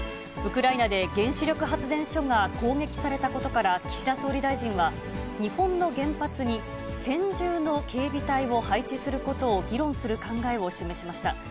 ウクライナで原子力発電所が攻撃されたことから、岸田総理大臣は、日本の原発に専従の警備隊を配置することを議論する考えを示しました。